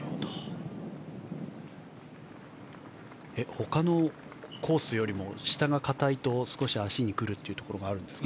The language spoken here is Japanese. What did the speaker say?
他のコースよりも下が固いと少し、足に来るところもありますか？